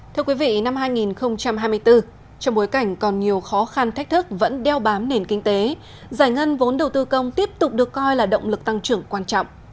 thưa quý vị năm hai nghìn hai mươi bốn trong bối cảnh còn nhiều khó khăn thách thức vẫn đeo bám nền kinh tế giải ngân vốn đầu tư công tiếp tục được coi là động lực tăng trưởng quan trọng